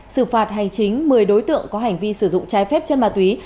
xử phạt hành chính một mươi đối tượng có hành vi sử dụng trái phép chân ma túy